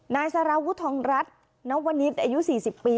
นายสารวุฒทองรัฐนวณิตอายุ๔๐ปี